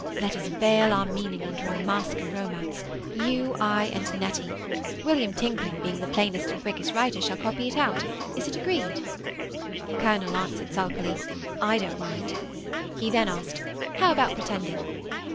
Let us veil our meaning under a mask of romance; you, I, and Nettie. William Tinkling being the plainest and quickest writer, shall copy out. Is it agreed?' The colonel answered sulkily, 'I don't mind.' He then asked, 'How about pretending?